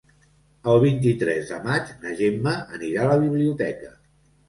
El vint-i-tres de maig na Gemma anirà a la biblioteca.